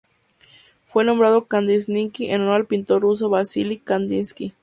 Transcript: Fue nombrado Kandinsky en honor al pintor ruso Vasili Kandinski.